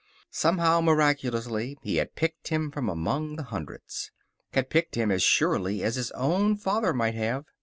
Somehow, miraculously, he had picked him from among the hundreds. Had picked him as surely as his own father might have.